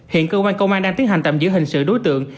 hiện cơ quan công an đang tiến hành tạm giữ hình sự đối tượng